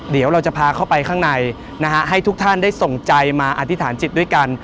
เดี๋ยวเราจะพาเข้าไปข้างในนะฮะให้ทุกท่านได้ส่งใจมาอธิษฐานจิตด้วยกัน